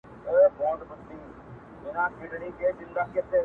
ارزښتونو داسي ترکيب و